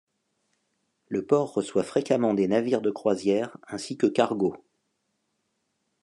Le port reçoit fréquemment des navires de croisière ainsi que cargos.